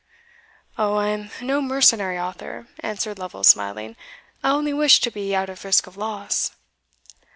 "O, I am no mercenary author," answered Lovel, smiling; "I only wish to be out of risk of loss."